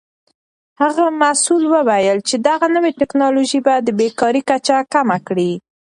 هغه مسؤل وویل چې دغه نوې تکنالوژي به د بیکارۍ کچه کمه کړي.